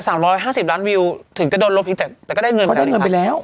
ร้อยห้าสิบล้านวิวถึงจะโดนลบเพียงแต่แต่ก็ได้เงินเพราะได้เงินไปแล้ว